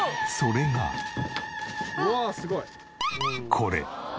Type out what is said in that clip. これ。